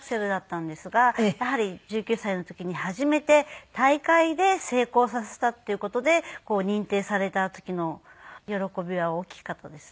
やはり１９歳の時に初めて大会で成功させたっていう事で認定された時の喜びは大きかったですね。